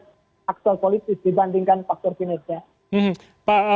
faktor politik dibandingkan faktor sinerja